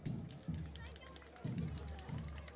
هره ورځ به زموږ خپلوان پکښي بندیږی